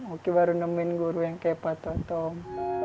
oki baru nemuin guru yang kayak pak toto om